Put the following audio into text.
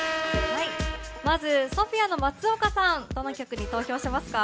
まず、ＳＯＰＨＩＡの松岡さんどの曲に投票しますか？